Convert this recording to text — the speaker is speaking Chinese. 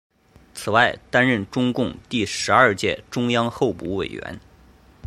此外担任中共第十二届中央候补委员。